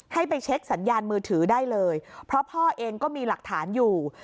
ให้ไปเช็คสัญญาณมือถือได้เลยเพราะพ่อเองก็มีหลักฐานอยู่